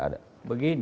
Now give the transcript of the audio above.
untuk membuat keuangan